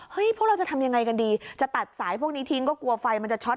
พวกเราจะทำยังไงกันดีจะตัดสายพวกนี้ทิ้งก็กลัวไฟมันจะช็อต